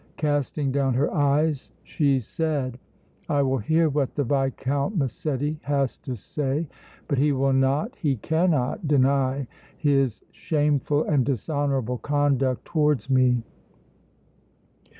Casting down her eyes, she said: "I will hear what the Viscount Massetti has to say, but he will not, he cannot, deny his shameful and dishonorable conduct towards me!"